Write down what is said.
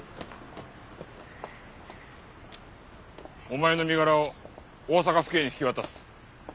お前の身柄を大阪府警に引き渡す。